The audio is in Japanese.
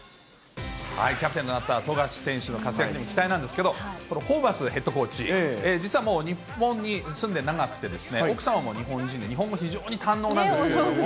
キャプテンとなった富樫選手の活躍にも期待なんですけど、このホーバスヘッドコーチ、実はもう日本に住んで長くてですね、奥様は日本人で、日本語非常お上手ですよね。